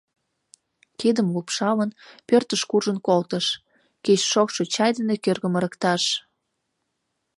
Кидым лупшалын, пӧртыш куржын колтыш — кеч шокшо чай дене кӧргым ырыкташ.